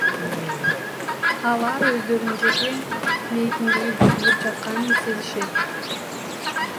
Алар өздөрүнүн жеке мейкиндиги бузулуп жатканын сезишет.